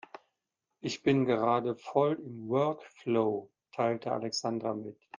Ich bin gerade voll im Workflow, teilte Alexandra mit.